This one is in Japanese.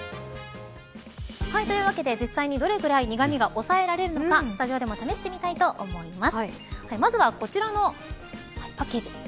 というわけで、実際にどれぐらいに苦みが抑えられるのかスタジオでも試してみたいと思います。